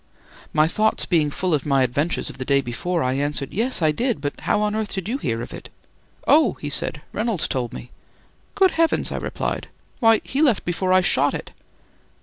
My thoughts being full of my adventures of the day before, I answered: "Yes, I did; but how on earth did you hear of it?" "Oh!" he said, "Reynolds told me." "Good heavens," I replied, "why, he left before I shot it."